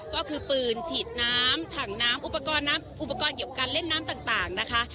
ก็คือปืนฉีดน้ำถังน้ำอุปกรณ์น้ำอุปกรณ์เกี่ยวกับการเล่นน้ำต่างนะคะ